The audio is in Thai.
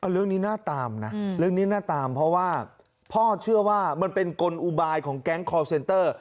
เรื่องนี้น่าตามนะเพราะว่าพ่อเชื่อว่ามันเป็นกลุ่มอุบายของแก๊งคอลเซนเตอร์